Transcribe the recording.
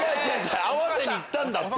合わせにいったんだって！